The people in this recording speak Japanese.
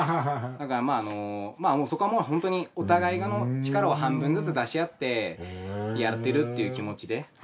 だからそこはもう本当にお互いの力を半分ずつ出し合ってやってるっていう気持ちで。